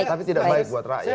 tapi tidak baik buat rakyat